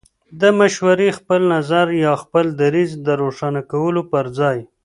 د مشورې، خپل نظر يا خپل دريځ د روښانه کولو پر ځای